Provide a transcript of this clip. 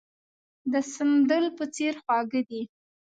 د سندل په څېر خواږه دي.